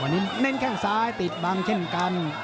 วันนี้เม้นแค่งซ้ายติดบังเช่นกัน